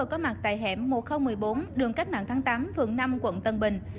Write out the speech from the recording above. có mặt tại hẻm một nghìn một mươi bốn đường cách mạng tháng tám phường năm quận tân bình